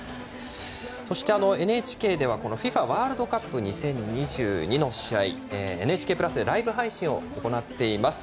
そしてＮＨＫではＦＩＦＡワールドカップの試合を「ＮＨＫプラス」でライブ配信を行っています。